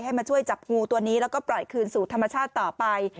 มาช่วยจับงูตัวนี้แล้วก็ปล่อยคืนสู่ธรรมชาติต่อไป